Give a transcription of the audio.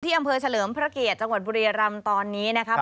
อำเภอเฉลิมพระเกียรติจังหวัดบุรียรำตอนนี้นะครับ